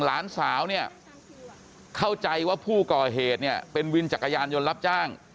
หลานสาวเนี่ยเข้าใจว่าผู้ก่อเหตุเนี่ยเป็นวินจักรยานยนต์รับจ้าง